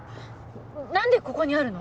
何でここにあるの？